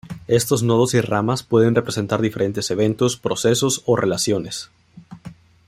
Estos nodos y ramas pueden representar diferentes eventos, procesos, o relaciones.